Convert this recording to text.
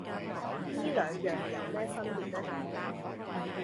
依兩樣有咩分別呢？